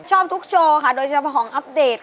ชอบทุกโชว์ค่ะโดยเฉพาะของอัปเดต